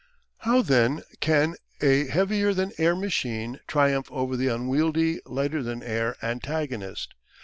How then can a heavier than air machine triumph over the unwieldy lighter than air antagonist?